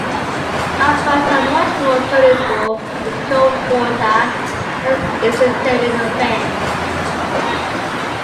Opiates are much more soluble in cold water than acetaminophen.